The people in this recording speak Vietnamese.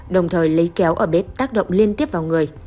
đồng thời lấy kéo ở bếp tác động liên tiếp vào người